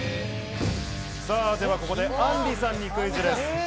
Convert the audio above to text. ではここで、あんりさんにクイズです。